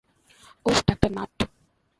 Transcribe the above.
উহ, ডাঃ নাট।